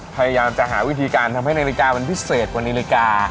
พยายามจะหาวิธีการทำให้นาฬิกามันพิเศษกว่านาฬิกา